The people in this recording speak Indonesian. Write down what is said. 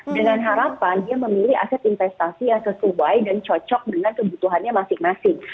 dengan harapan dia memilih aset investasi yang sesuai dan cocok dengan kebutuhannya masing masing